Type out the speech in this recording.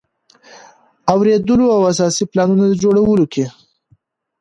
اوریدلو او اساسي پلانونو د جوړولو کې.